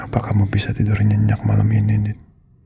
apa kamu bisa tidur nyenyak malam ini nit